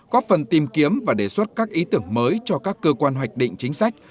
có phần tìm kiếm và đề xuất các ý tưởng mới cho các cơ quan hoạch định chính sách